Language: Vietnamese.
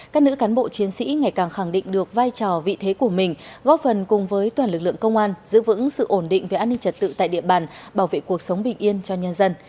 các nữ cán bộ chiến sĩ ngày càng khẳng định được vai trò vị thế của mình góp phần cùng với toàn lực lượng công an giữ vững sự ổn định về an ninh trật tự tại địa bàn bảo vệ cuộc sống bình yên cho nhân dân